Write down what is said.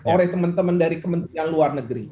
oleh teman teman dari kementerian luar negeri